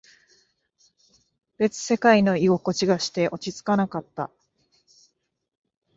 別世界の居心地がして、落ち着かなかった。